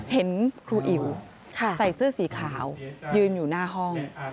เห็นครูอิ๋วใส่เสื้อสีขาวยืนอยู่หน้าห้อง